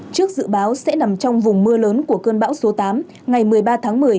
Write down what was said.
trước dự báo sẽ nằm trong vùng mưa lớn của cơn bão số tám ngày một mươi ba tháng một mươi